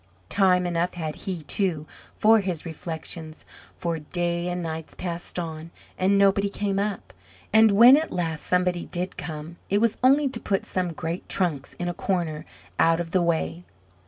Time enough had he, too, for his reflections; for days and nights passed on, and nobody came up; and when at last somebody did come, it was only to put some great trunks in a corner out of the way.